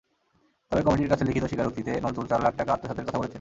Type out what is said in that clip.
তবে কমিটির কাছে লিখিত স্বীকারোক্তিতে নজরুল চার লাখ টাকা আত্মসাতের কথা বলেছেন।